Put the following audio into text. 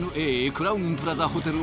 クラウンプラザホテル